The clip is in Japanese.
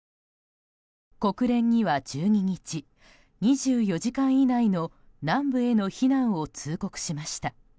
国連には１２日２４時間以内の南部への避難を通告しました。